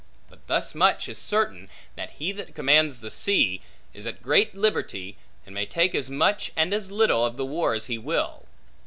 But thus much is certain, that he that commands the sea, is at great liberty, and may take as much, and as little, of the war as he will.